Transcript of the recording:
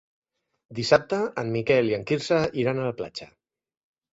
Dissabte en Miquel i en Quirze iran a la platja.